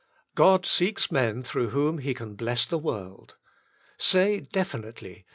God seeks men through whom He can bless the world. Say definitely.